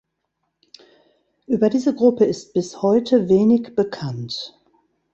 Über diese Gruppe ist bis heute wenig bekannt.